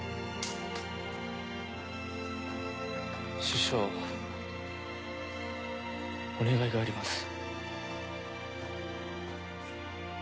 師匠お願いがあります。